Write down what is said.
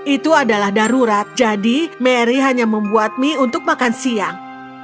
itu adalah darurat jadi mary hanya membuat mie untuk makan siang